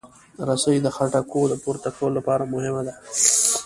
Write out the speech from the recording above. رسۍ د خټکو د پورته کولو لپاره مهمه ده.